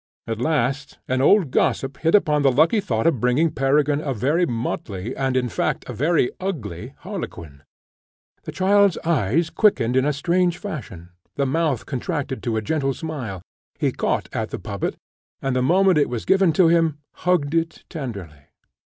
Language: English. At last an old gossip hit upon the lucky thought of bringing Peregrine a very motley, and, in fact, a very ugly harlequin. The child's eyes quickened in a strange fashion, the mouth contracted to a gentle smile, he caught at the puppet, and, the moment it was given to him, hugged it tenderly.